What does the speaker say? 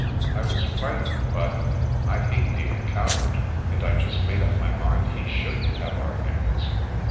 I was fright ened, but — I hate being a coward, and I just made up my mind he shouldn't have our things.